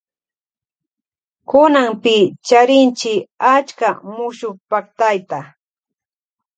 Kunanpi charinchi achka mushukpaktayta.